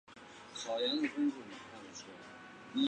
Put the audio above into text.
小叶粗筒苣苔为苦苣苔科粗筒苣苔属下的一个种。